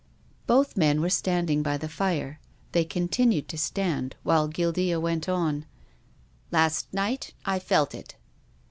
Both men were standing by the fire. They continued to stand while Guildea went on, " Last night I felt it."